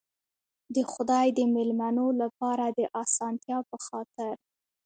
د خدای د مېلمنو لپاره د آسانتیا په خاطر.